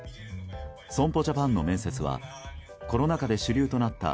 損保ジャパンの面接はコロナ禍で主流となった